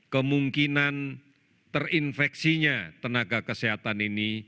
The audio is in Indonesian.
kemungkinan terinfeksinya tenaga kesehatan ini